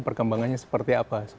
perkembangannya seperti apa